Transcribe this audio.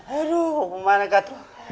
aduh mau kemana katru